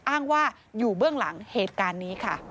อ้างว่าอยู่เบื้องหลังเหตุการณ์นี้ค่ะ